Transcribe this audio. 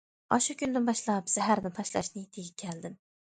ئاشۇ كۈندىن باشلاپ زەھەرنى تاشلاش نىيىتىگە كەلدىم.